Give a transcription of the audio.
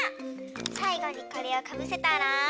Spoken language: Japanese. さいごにこれをかぶせたら。